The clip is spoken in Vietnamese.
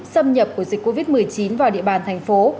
xâm nhập của dịch covid một mươi chín vào địa bàn thành phố